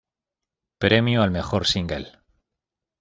Premio al mejor single.